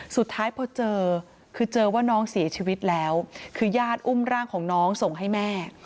สุดท้ายพอเจอคือเจอว่าน้องเสียชีวิตแล้วคือญาติอุ้มร่างของน้องส่งให้แม่